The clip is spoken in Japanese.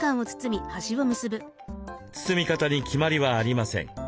包み方に決まりはありません。